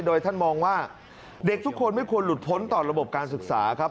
โดยท่านมองว่าเด็กทุกคนไม่ควรหลุดพ้นต่อระบบการศึกษาครับ